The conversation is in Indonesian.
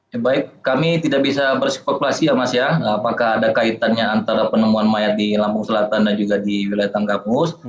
ya baik kami tidak bisa berspekulasi ya mas ya apakah ada kaitannya antara penemuan mayat di lampung selatan dan juga di wilayah tanggapus